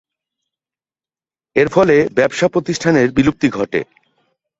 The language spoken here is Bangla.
এরফলে ব্যবসা-প্রতিষ্ঠানের বিলুপ্তি ঘটে।